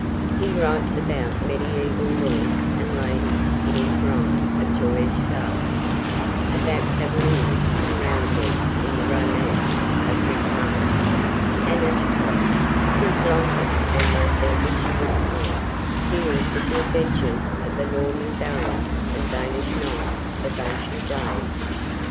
He writes about mediaeval lords and ladies in his Rhyme of Joyous Garde, about Cavaliers and Roundheads in The Romance of Britomarte, and Ashtaroth, his longest and most ambitious poem, deals with the adventures of the Norman barons and Danish knights of ancient days.